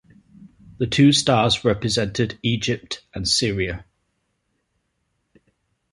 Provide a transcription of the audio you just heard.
The two stars represented Egypt and Syria.